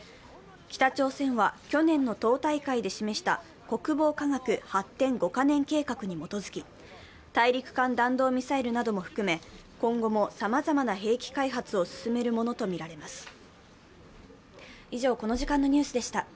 北朝鮮は去年の党大会で示した国防科学発展５カ年計画に基づき大陸間弾道ミサイルなども含め、今後もさまざまな兵器開発を進めるものとみられます。